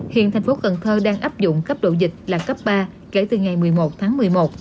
hiện tp cn đang áp dụng cấp độ dịch là cấp ba kể từ ngày một mươi một tháng một mươi một